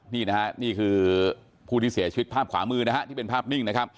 นี่คือผู้ที่เสียชีวิตภาพขวามือที่เป็นภาพนิ่ง